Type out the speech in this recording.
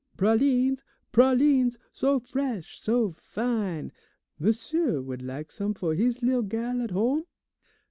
"Pralines, pralines, so fresh, so fine! M'sieu would lak' some fo' he's lil' gal' at home?